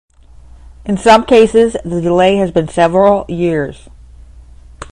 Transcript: In some cases, the delay has been several years.